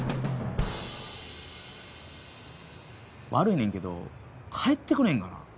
悪いねんけど帰ってくれへんかな？